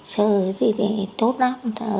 sơ thì tốt lắm